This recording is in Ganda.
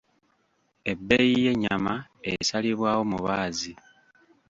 Ebbeeyi y'ennyama esalibwawo mubaazi.